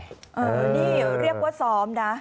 นี่เรียกว่าซ้อมนะ